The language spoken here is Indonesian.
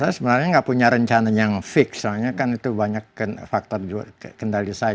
saya sebenarnya nggak punya rencana yang fix soalnya kan itu banyak faktor kendali saya